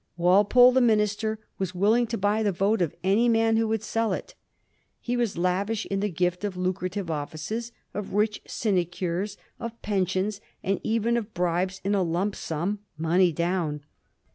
Walpole, the minister, was willing to buy the vote of any man who would sell it. He was lavish in the gift of lucrative offices, of rich sinecures, of pensions, and even of bribes in a lump sum, money down.